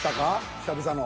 久々の。